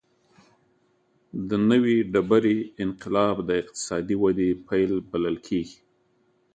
د نوې ډبرې انقلاب د اقتصادي ودې پیل بلل کېږي.